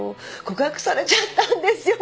告白されちゃったんですよ